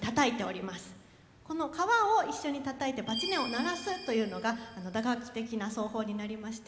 この皮を一緒にたたいて撥音を鳴らすというのが打楽器的な奏法になりまして